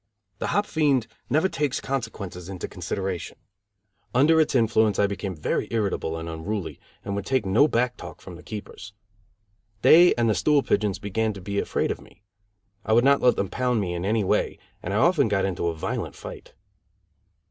The hop fiend never takes consequences into consideration. Under its influence I became very irritable and unruly, and would take no back talk from the keepers. They and the stool pigeons began to be afraid of me. I would not let them pound me in any way, and I often got into a violent fight.